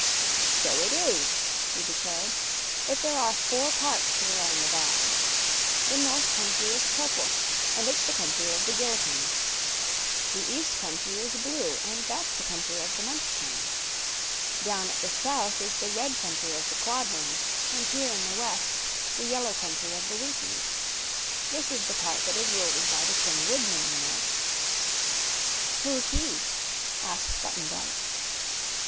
"So it is," she declared; "but there are four parts to the Land of Oz. The North Country is purple, and it's the Country of the Gillikins. The East Country is blue, and that's the Country of the Munchkins. Down at the South is the red Country of the Quadlings, and here, in the West, the yellow Country of the Winkies. This is the part that is ruled by the Tin Woodman, you know." "Who's he?" asked Button Bright.